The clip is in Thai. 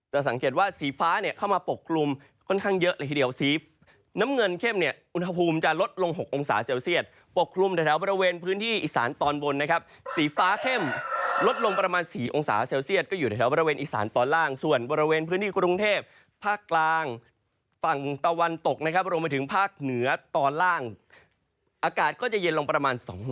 สังเกตว่าสีฟ้าเนี่ยเข้ามาปกคลุมค่อนข้างเยอะเลยทีเดียวสีน้ำเงินเข้มเนี่ยอุณหภูมิจะลดลง๖องศาเซลเซียตปกคลุมแถวบริเวณพื้นที่อีสานตอนบนนะครับสีฟ้าเข้มลดลงประมาณ๔องศาเซลเซียตก็อยู่ในแถวบริเวณอีสานตอนล่างส่วนบริเวณพื้นที่กรุงเทพภาคกลางฝั่งตะวันตกนะครับรวมไปถึงภาคเหนือตอนล่างอากาศก็จะเย็นลงประมาณ๒